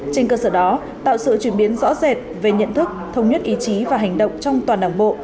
trên cơ sở đó tạo sự chuyển biến rõ rệt về nhận thức thông nhất ý chí và hành động trong toàn đảng bộ